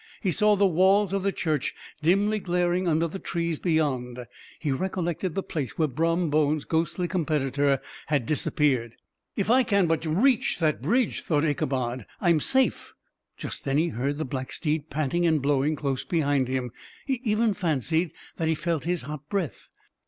He saw the walls of the church dimly glaring under the trees beyond. He recollected the place where Brom Bones's ghostly competitor had disappeared. "If I can but reach that bridge," thought Ichabod, "I am safe." Just then he heard the black steed panting and blowing close behind him; he even fancied that he felt his hot breath.